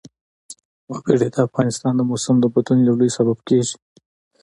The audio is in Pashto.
وګړي د افغانستان د موسم د بدلون یو لوی سبب کېږي.